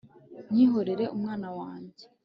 nkihorera umwana wanjye